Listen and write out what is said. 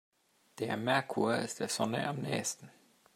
Der Merkur ist der Sonne am nähesten.